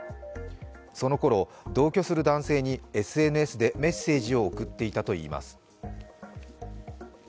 そのころ同居する男性にＳＮＳでメッセージを送っていたといいます。